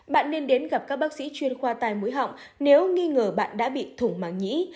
bạn nên đến gặp các bác sĩ chuyên khoa tai mũi họng nếu nghi ngờ bạn đã bị thủng màng nhĩ